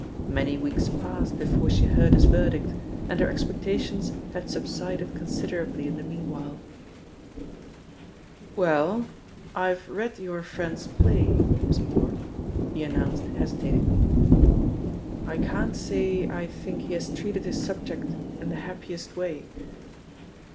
Many weeks passed before she heard his ver dict, and her expectations had subsided consid erably in the meanwhile* "Well, IVe read your friend's play. Miss Moore," he announced hesitatingly. "I can'f say I think he has treated his subject in the hap piest way."